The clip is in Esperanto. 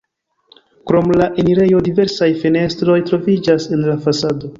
Krom la enirejo diversaj fenestroj troviĝas en la fasado.